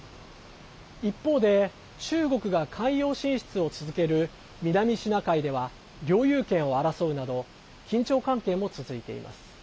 一方で、中国が海洋進出を続ける南シナ海では領有権を争うなど緊張関係も続いています。